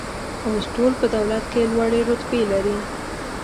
اوس ټول په دولت کې لوړې رتبې لري.